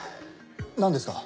何ですか？